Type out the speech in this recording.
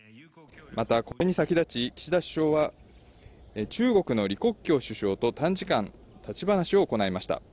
また、これに先立ち、岸田首相は、中国の李克強首相と短時間、立ち話を行いました。